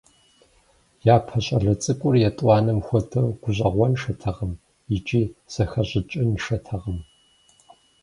Япэ щӏалэ цӏыкӏур етӏуанэм хуэдэу гущӏэгъуншэтэкъым икӏи зэхэщӏыкӏыншэтэкъым.